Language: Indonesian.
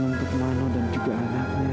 untuk nono dan juga anaknya